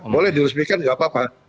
boleh diresmikan nggak apa apa